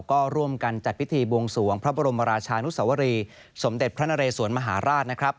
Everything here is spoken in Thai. ก็ร่วมกันจัดพิธีบวงสวงพระบรมราชานุสวรีสมเด็จพระนเรสวนมหาราชนะครับ